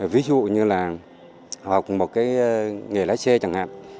ví dụ như là học một cái nghề lái xe chẳng hạn